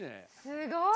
すごい。